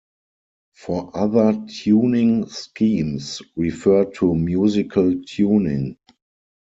For other tuning schemes refer to musical tuning.